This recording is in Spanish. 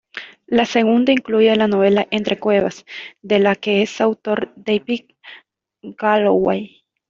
La segunda incluye la novela "Entre cuevas" de la que es autor David Galloway.